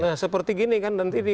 nah seperti gini kan nanti di